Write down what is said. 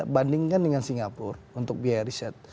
bandingkan dengan singapura untuk biaya riset